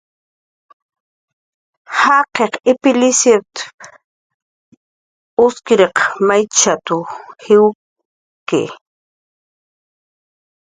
"Jaqiq ipilipsiat"" uskiriq maychat""mn jiwki "